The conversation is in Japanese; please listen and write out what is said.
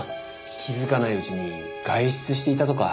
気づかないうちに外出していたとか。